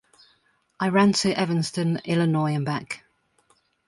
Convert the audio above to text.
It ran to Evanston, Illinois and back.